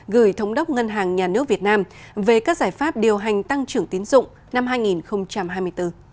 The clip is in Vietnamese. gửi thống đốc ngân hàng nhà nước việt nam về các giải pháp điều hành tăng trưởng tiến dụng năm hai nghìn hai mươi bốn